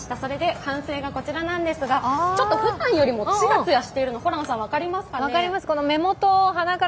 完成がこちらなんですが、ふだんよりもツヤツヤしているのが分かりますかね？